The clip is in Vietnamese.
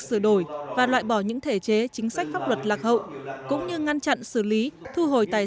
sửa đổi và loại bỏ những thể chế chính sách pháp luật lạc hậu cũng như ngăn chặn xử lý thu hồi tài